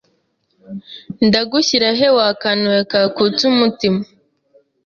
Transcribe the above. ndagushyira he wa kantu we kakutse umutima